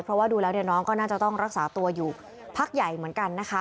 เพราะว่าดูแล้วน้องก็น่าจะต้องรักษาตัวอยู่พักใหญ่เหมือนกันนะคะ